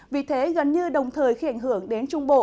vì thế gần như đồng thời khi ảnh hưởng đến trung bộ